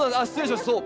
そう！